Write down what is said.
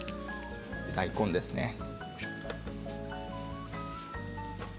大根ですね。